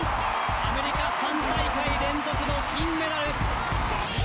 アメリカ３大会連続の金メダル。